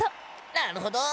なるほど！